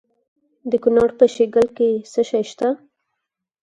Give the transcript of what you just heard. د کونړ په شیګل کې څه شی شته؟